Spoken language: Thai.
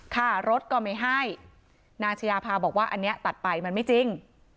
ค่ารถก็ไม่ให้นางชายาพาบอกว่าอันนี้ตัดไปมันไม่จริง